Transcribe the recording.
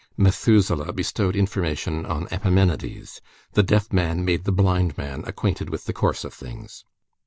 Methuselah bestowed information on Epimenides. The deaf man made the blind man acquainted with the course of things.